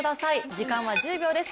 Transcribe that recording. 時間は１０秒です。